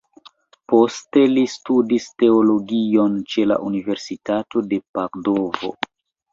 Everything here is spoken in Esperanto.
Poste li studis teologion ĉe la universitato de Padovo.